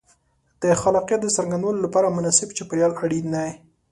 د خلاقیت د څرګندولو لپاره مناسب چاپېریال اړین دی.